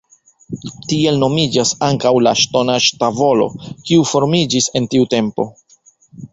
Tiel nomiĝas ankaŭ la ŝtonaĵ-tavolo, kiu formiĝis en tiu tempo.